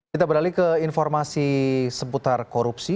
kita beralih ke informasi seputar korupsi